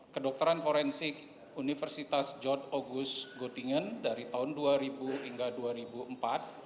kedokteran forensik universitas george ogus gotingen dari tahun dua ribu hingga dua ribu empat